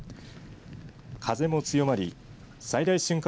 風も強まり最大瞬間